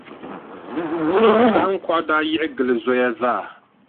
Kahiŋkɔɣu daa yiɣi gili zoya zaa.